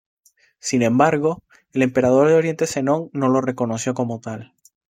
Sin embargo, el emperador de Oriente Zenón no lo reconoció como tal.